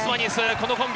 このコンビ。